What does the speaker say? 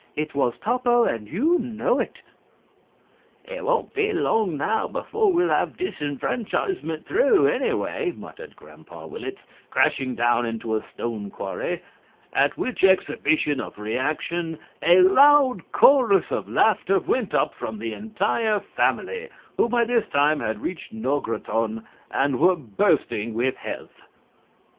It was toppo, and you know it.' "'It won't be long now before we'll have disenfranchisement through, anyway,' muttered Grandpa Willetts, crashing down into a stone quarry, at which exhibition of reaction a loud chorus of laughter went up from the entire family, who by this time had reached Nogroton and were bursting with health."